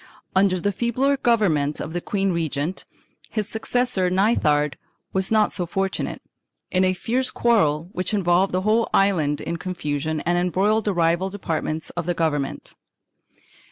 2 Under the feebler government of the queen regent, his successor Nithard was not so fortunate, in a fierce quarrel which involved the whole island in confusion and embroiled the rival departments of the government.